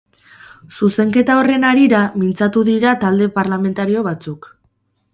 Zuzenketa horren harira mintzatu dira talde parlamentario batzuk.